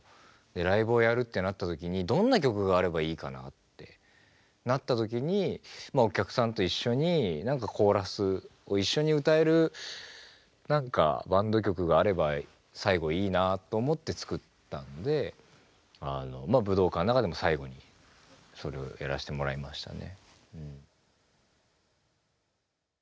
ライブをやるってなった時にどんな曲があればいいかなってなった時にお客さんと一緒に何かコーラスを一緒に歌える何かバンド曲があれば最後いいなと思って作ったんで武道館の中でも最後にそれをやらせてもらいましたね。